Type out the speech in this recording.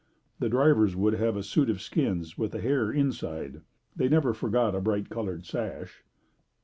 The drivers would have suits of skin with the hair inside. They never forgot a bright colored sash.